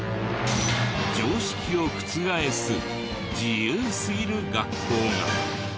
常識を覆す自由すぎる学校が。